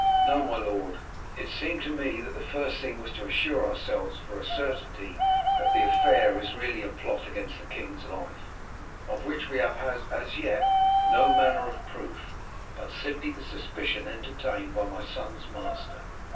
"No, my lord; it seemed to me that the first thing was to assure ourselves for a certainty that the affair is really a plot against the king's life, of which we have as yet no manner of proof, but simply the suspicion entertained by my son's master.